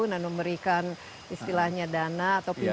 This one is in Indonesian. dan memberikan istilahnya dana atau pinjaman